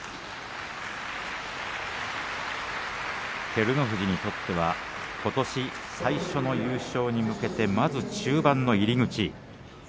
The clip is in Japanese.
照ノ富士にとってはことし最初の優勝に向けてまず中盤の入り口。